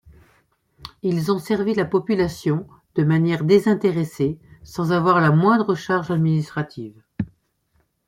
Ils ont servi la population, de manière désintéressée, sans avoir la moindre charge administrative.